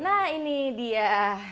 nah ini dia